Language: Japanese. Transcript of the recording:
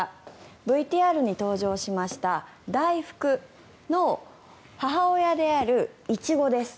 ＶＴＲに登場しましただいふくの母親であるイチゴです